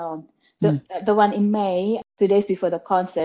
yang di mei dua hari sebelum konser